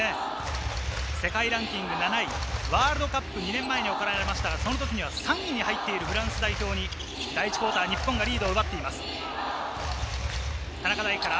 世界ランキング７位、ワールドカップが２年前に行われましたが、その時には３位に入っているフランス代表に第１クオーター、日本がリードを奪っています。